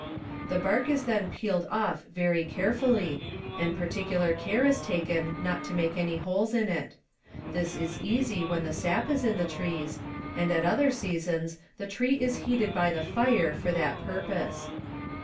The bark is then peeled off very carefully, and particular care is taken not to make any holes in it; this is easy when the sap is in the trees; and at other seasons the tree is heated by the fire for that purpose.